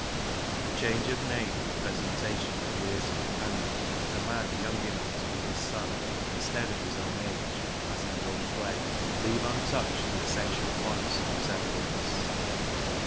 The change of name and the presentation of Lear's companion as a man young enough to be his son instead of his own age (as in the old play), leave untouched the essential points of resemblance.